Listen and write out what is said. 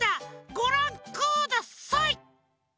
ごらんください！